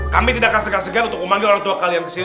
kami tidak akan segan segan untuk memanggil orang tua kalian kesini